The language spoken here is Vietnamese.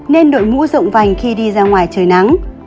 nên đội mũ rộng vành khi đi ra ngoài trời nắng